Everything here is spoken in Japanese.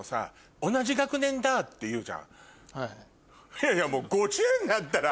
いやいやもう５０になったら。